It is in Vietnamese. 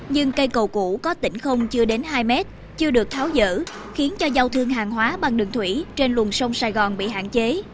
nhưng cây cầu cũ có tỉnh không chưa đến hai mét chưa được tháo dỡ khiến cho giao thương hàng hóa bằng đường thủy trên luồng sông sài gòn bị hạn chế